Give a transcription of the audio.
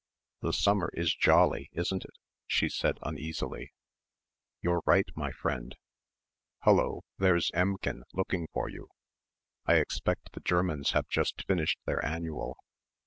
"The summer is jolly, isn't it?" she said uneasily. "You're right, my friend. Hullo! There's Emmchen looking for you. I expect the Germans have just finished their annual.